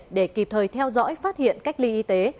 hãng hàng không việt nam đã được theo dõi phát hiện cách ly y tế